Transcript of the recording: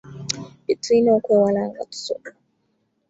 Bye tulina okwewala nga tusoma